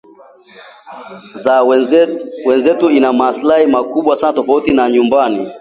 za 'wenzetu' ina maslahi makubwa sana tofauti na nyumbani